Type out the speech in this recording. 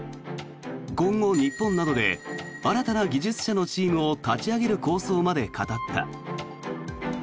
今後、日本などで新たな技術者のチームを立ち上げる構想まで語った。